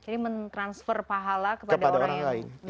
jadi mentransfer pahala kepada orang lain